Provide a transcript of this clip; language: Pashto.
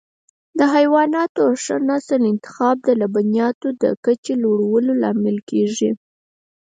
د حیواناتو د ښه نسل انتخاب د لبنیاتو د کچې لوړولو لامل کېږي.